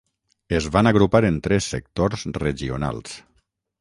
Es van agrupar en tres sectors regionals.